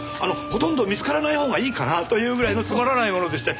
ほとんど見つからないほうがいいかなぁというぐらいのつまらない物でして。